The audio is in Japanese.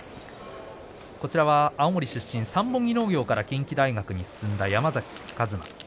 青森出身、三本木農業から近畿大学に進んだ山崎。